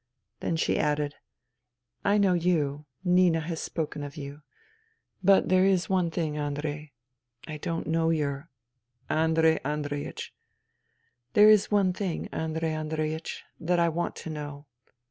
Then she added :" I know you. Nina has spoken of you. But there is one thing, Andrei — I don't know your —^—"" Andrei Andreiech." " There is one thing, Andrei Andreiech, that I want to know.